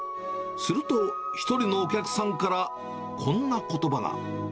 すると、一人のお客さんからこんなことばが。